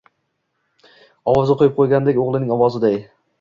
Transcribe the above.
Ovozi quyib quygandek o‘g‘lining ovoziday.